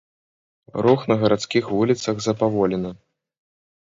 Рух на гарадскіх вуліцах запаволены.